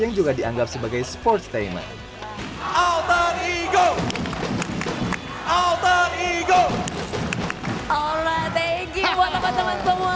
yang juga dianggap sebagai sports team